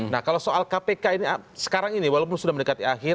nah kalau soal kpk ini sekarang ini walaupun sudah mendekati akhir